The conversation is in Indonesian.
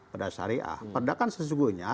pada syariah perda kan sesungguhnya